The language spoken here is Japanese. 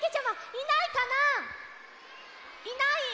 いないか。